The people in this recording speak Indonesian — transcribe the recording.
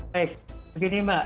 baik begini mbak